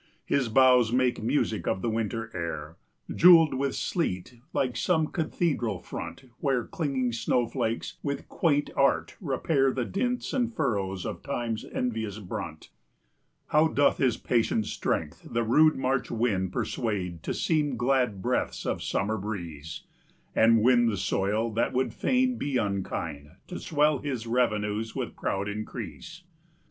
His boughs make music of the winter air, Jewelled with sleet, like some cathedral front Where clinging snow flakes with quaint art repair 15 The dints and furrows of time's envious brunt. How doth his patient strength the rude March wind Persuade to seem glad breaths of summer breeze, And win the soil that fain would be unkind, To swell his revenues with proud increase!